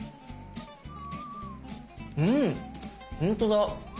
うんほんとだ！